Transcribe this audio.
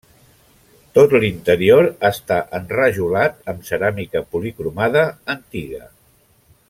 Tot l'interior està enrajolat amb ceràmica policromada antiga.